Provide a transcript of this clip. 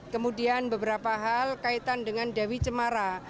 kemudian beberapa hal kaitan dengan dewi cemara